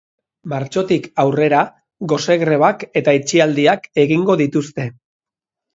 Martxotik aurrera gose grebak eta itxialdiak egingo dituzte.